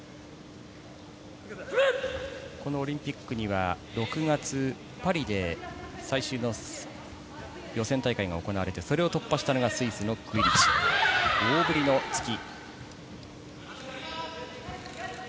このオリンピックには６月、パリで最終の予選大会が行われて、それを突破したのがスイスのクイリチ、大振りの突き。